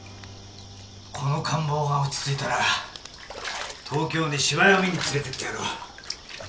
この感冒が落ち着いたら東京へ芝居を見に連れてってやろう。